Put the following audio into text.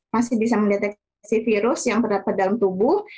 masih bisa mendeteksi virus yang terdapat dalam tubuh